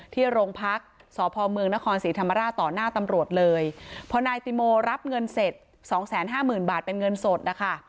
ที่โรงพักษ์สพเมืองนครศรีธรรมราชต่อหน้าตำรวจเลยพอนายติโมรับเงินเสร็จสองแสนห้าหมื่นบาทเป็นเงินสดนะคะ